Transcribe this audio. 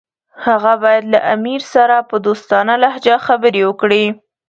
هغه باید له امیر سره په دوستانه لهجه خبرې وکړي.